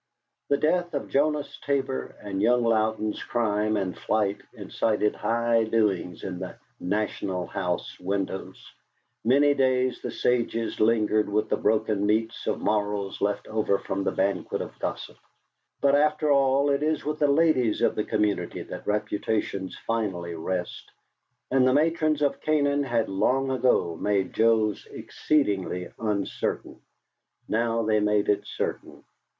The death of Jonas Tabor and young Louden's crime and flight incited high doings in the "National House" windows; many days the sages lingered with the broken meats of morals left over from the banquet of gossip. But, after all, it is with the ladies of a community that reputations finally rest, and the matrons of Canaan had long ago made Joe's exceedingly uncertain. Now they made it certain.